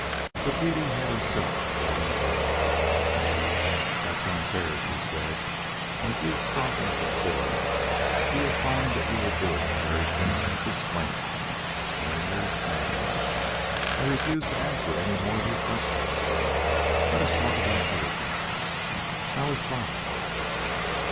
But Dede had herself well in hand. "That's unfair," she said. "And if you stop and consider, you will find that you are doing the very thing you disclaimed namely, nagging. I refuse to answer any more of your questions. Let us talk about other things. How is Bob?"